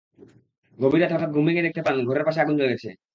গভীর রাতে হঠাৎ ঘুম ভেঙে দেখতে পান পাশের ঘরে আগুন লেগেছে।